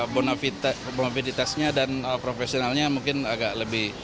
bonabeditasnya dan profesionalnya mungkin agak lebih